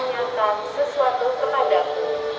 tanyakan sesuatu kepadaku